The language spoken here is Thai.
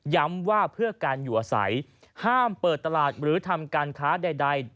ย้ำว่าเพื่อการอยู่อาศัยห้ามเปิดตลาดหรือทำการค้าใด